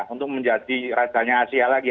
untuk menjadi rajanya asia lagi